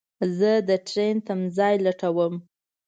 زه دټرين تم ځای لټوم